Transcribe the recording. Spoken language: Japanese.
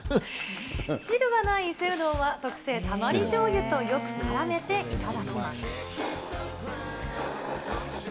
汁がない伊勢うどんは、特製たまりじょうゆとよくからめて頂きます。